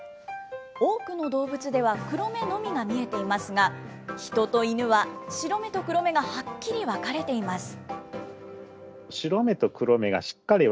多くの動物では黒目のみが見えていますが、ヒトとイヌは白目と黒目がはっきり分かれています。